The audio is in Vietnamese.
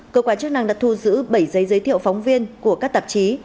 cơ quan chức năng đã thu giữ bảy giấy giới thiệu phóng viên của các tạp chí